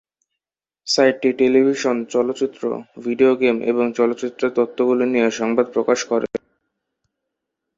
সাইটটি টেলিভিশন, চলচ্চিত্র, video game এবং চলচ্চিত্রের তত্ত্বগুলি নিয়ে সংবাদ প্রকাশ করে।